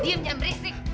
diam jangan berisik